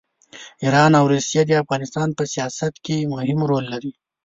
ایران او روسیه د افغانستان په سیاست کې مهم رول لري.